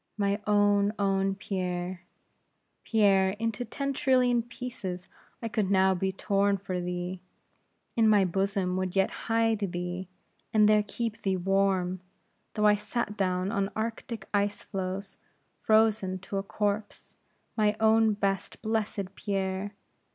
"My own, own Pierre! Pierre, into ten trillion pieces I could now be torn for thee; in my bosom would yet hide thee, and there keep thee warm, though I sat down on Arctic ice floes, frozen to a corpse. My own, best, blessed Pierre!